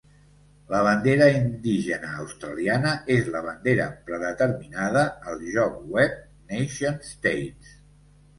La bandera indígena australiana és la bandera predeterminada al joc web "NationStates".